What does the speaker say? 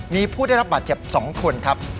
มีผู้ได้รับบาดเจ็บ๒คนครับ